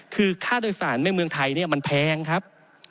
คือค่าโดยสารในเมืองไทยมันแพงครับ